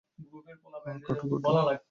হ্যাঁ, কাটো কাটো।